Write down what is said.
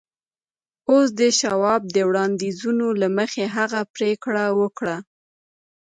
اوس د شواب د وړانديزونو له مخې هغه پرېکړه وکړه.